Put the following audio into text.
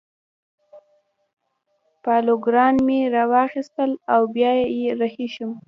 پاروګان مې را واخیستل او بیا رهي شوو.